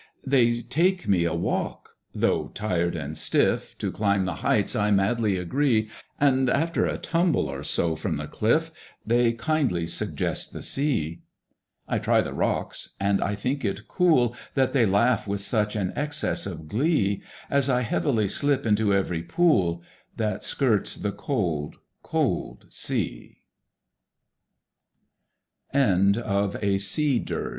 They take me a walk: though tired and stiff, To climb the heights I madly agree; And, after a tumble or so from the cliff, They kindly suggest the Sea. I try the rocks, and I think it cool That they laugh with such an excess of glee, As I heavily slip into every pool T